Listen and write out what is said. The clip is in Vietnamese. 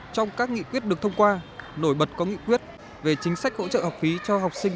trong các nghị quyết được thông qua nổi bật có nghị quyết về chính sách hỗ trợ học phí cho học sinh